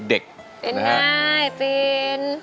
เป็นไงฟิน